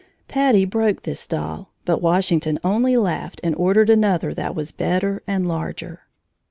Patty broke this doll, but Washington only laughed and ordered another that was better and larger.